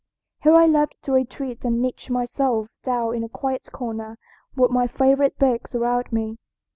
Here I loved to retreat and niche myself down in a quiet corner with my favorite books around me.